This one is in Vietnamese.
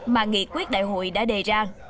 mà nghị quyết đại hội đã đề ra